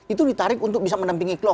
itu ditarik untuk bisa menampingi klub